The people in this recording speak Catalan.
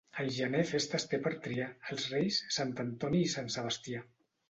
El gener festes té per triar: els Reis, Sant Antoni i Sant Sebastià.